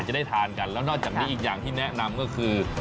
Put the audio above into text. จะได้ทานกันแล้วนอกจากนี้อีกอย่างที่แนะนำก็คือ